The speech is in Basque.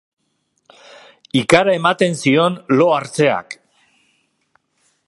Ikara ematen zion lo hartzeak.